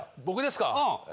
僕ですか。